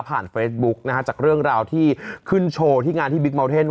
เฟซบุ๊กนะฮะจากเรื่องราวที่ขึ้นโชว์ที่งานที่บิ๊กเมาเทน